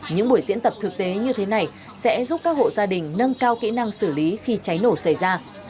những buổi diễn tập thực tế như thế này sẽ giúp các hộ gia đình nâng cao kỹ năng xử lý khi cháy nổ xảy ra